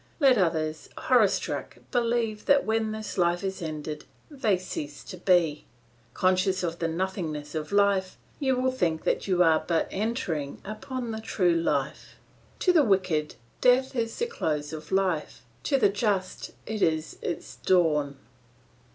Let others, horror struck, believe that when this life is ended they cease to be; conscious of the nothingness of life, you will think that you are but entering upon the true life. To the wicked, death is the close of life; to the just it is its dawn."